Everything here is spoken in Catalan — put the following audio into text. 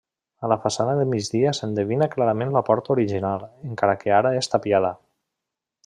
A la façana de migdia s'endevina clarament la porta original, encara que ara és tapiada.